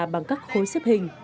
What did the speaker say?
bằng các khối xếp hình